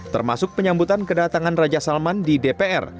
termasuk penyambutan kedatangan raja salman di dpr